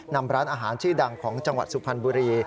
นำร้านอาหารชื่อดังของจังหวัดสุพรรณบุรี